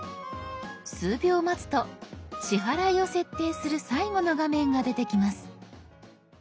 数秒待つと支払いを設定する最後の画面が出てきます。